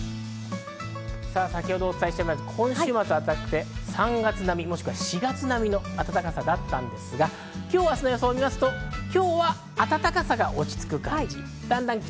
今週末は暖かくて３月並み、もしくは４月並みの暖かさだったんですが、今日、明日の予想を見ますと今日は暖かさが落ち着く感じ。